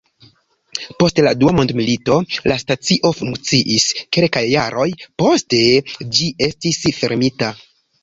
Post la Dua Mondmilito, la stacio funkciis kelkaj jaroj, poste ĝi estis fermita.